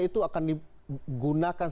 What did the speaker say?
itu akan digunakan